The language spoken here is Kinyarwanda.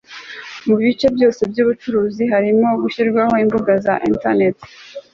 mu bice byose by'ubucuruzi - harimo gushyirwaho imbuga za interineti